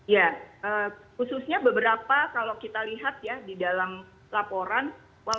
ya khususnya beberapa kalau kita lihat ya di dalam laporan